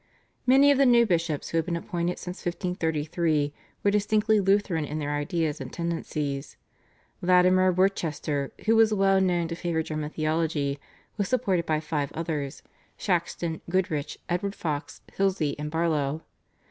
Many of the new bishops who had been appointed since 1533 were distinctly Lutheran in their ideas and tendencies. Latimer of Worcester, who was well known to favour German theology, was supported by five others, Shaxton, Goodrich, Edward Foxe, Hilsey, and Barlow.